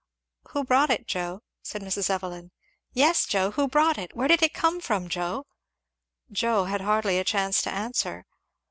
"Who brought it, Joe?" said Mrs. Evelyn. "Yes, Joe, who brought it? where did it come from, Joe?" Joe had hardly a chance to answer.